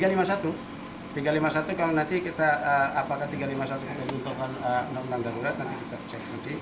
tiga ratus lima puluh satu kalau nanti kita apakah tiga ratus lima puluh satu kita menentukan undang undang darurat nanti kita cek nanti